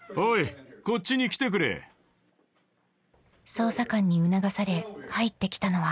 ［捜査官に促され入ってきたのは］